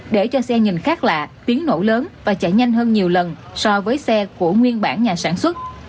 để cho xe nhìn khác lạ tiếng nổ lớn và chạy nhanh hơn nhiều lần so với xe của nguyên bản nhà sản xuất